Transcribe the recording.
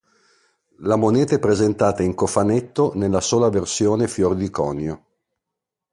La moneta è presentata in cofanetto nella sola versione fior di conio